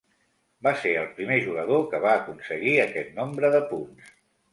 Va ser el primer jugador que va aconseguir aquest nombre de punts.